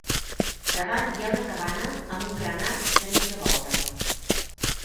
Davant hi ha una cabana amb un gran arc de mitja volta.